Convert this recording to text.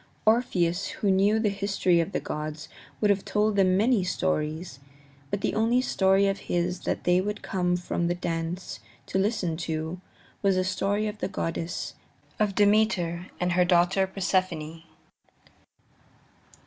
Orpheus, who knew the histories of the gods, would have told them many stories, but the only story of his that they would come from the dance to listen to was a story of the goddesses, of Demeter and her daughter Persephone.